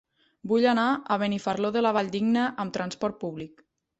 Vull anar a Benifairó de la Valldigna amb transport públic.